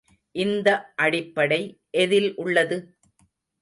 இந்த அடிப்படை எதில் உள்ளது?